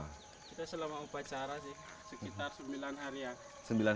ini selama upacara sekitar sembilan harian